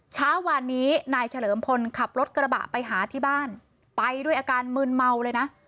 เช้าวานนี้นายเฉลิมพลขับรถกระบะไปหาที่บ้านไปด้วยอาการมืนเมาเลยนะ